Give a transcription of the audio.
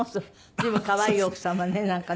随分可愛い奥様ねなんかね。